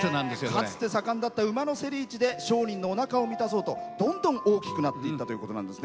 かつて盛んだった馬の競り市でおなかを満たそうとどんどん大きくなっていたそうです。